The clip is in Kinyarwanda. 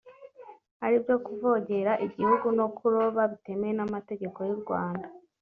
ari byo kuvogera igihugu no kuroba bitemewe n’amategeko y’u Rwanda